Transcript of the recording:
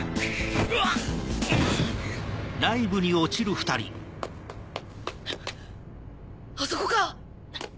うわっ！あそこか！